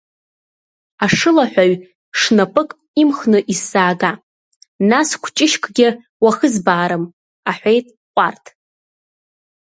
Ашылаҳәаҩ шнапык имхны исзаага, нас кәҷышькгьы уахызбаарым, — аҳәеит Ҟәарҭ.